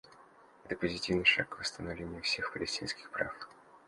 Это позитивный шаг к восстановлению всех палестинских прав.